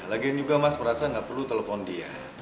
lagian juga mas merasa nggak perlu telepon dia